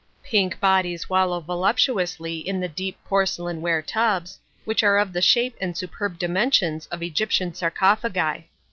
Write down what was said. Pink bodies wallow voluptuously in the deep porcelain ware tubs, which are of the shape and superb dimensions of Egyptian sarcophagi.